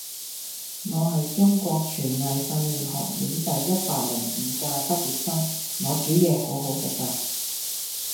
我係中國廚藝訓練學院第一百零五屆畢業生，我煮嘢好好食㗎